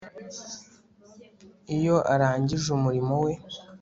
Iyo arangije umurimo we